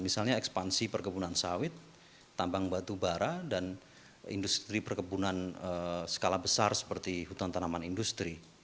misalnya ekspansi perkebunan sawit tambang batu bara dan industri perkebunan skala besar seperti hutan tanaman industri